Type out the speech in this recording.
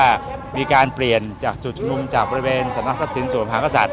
ว่ามีการเปลี่ยนจุดจุดมุมจากบริเวณสำนักทรัพย์สินศูนย์สวมหากศัตริย์